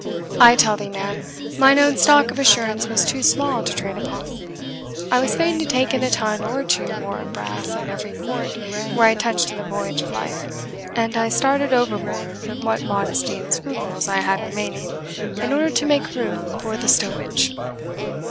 I tell thee, man, mine own stock of assurance was too small to trade upon. I was fain to take in a ton or two more of brass at every port where I touched in the voyage of life; and I started overboard what modesty and scruples I had remaining, in order to make room for the stowage."